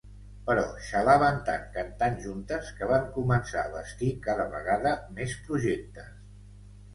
Però xalaven tant cantant juntes que van començar a bastir cada vegada més projectes.